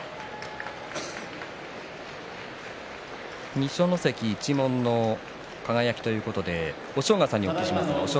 二所ノ関一門の輝ということで押尾川さんに伺います。